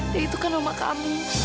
ya itu kan oma kamu